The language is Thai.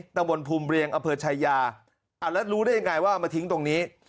ตะบนภูมิเรียงอเภอชายาแล้วรู้ได้ยังไงว่าเอามาทิ้งตรงนี้